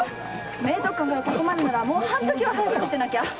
明徳館からここまでならもう半時は早く来てなきゃ。